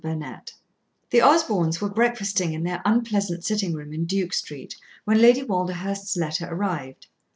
Chapter Ten The Osborns were breakfasting in their unpleasant sitting room in Duke Street when Lady Walderhurst's letter arrived.